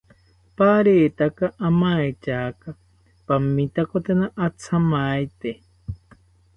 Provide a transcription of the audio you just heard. Paretaka amaityaka pamitakotena athamaite